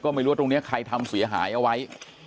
ไม่รู้ว่าตรงนี้ใครทำเสียหายเอาไว้